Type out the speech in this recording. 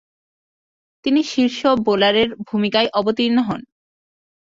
তিনি শীর্ষ বোলারের ভূমিকায় অবতীর্ণ হন।